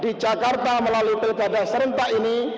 di jakarta melalui pilkada serentak ini